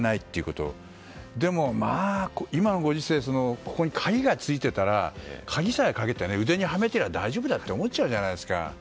でも、今のご時世鍵がついていたら鍵さえかけて、腕にはめていれば大丈夫だって思っちゃうじゃないですか。